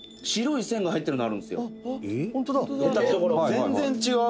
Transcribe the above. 「全然違う！」